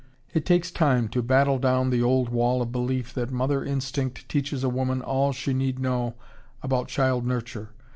It takes time to battle down the old wall of belief that mother instinct teaches a woman all she need know about child nurture....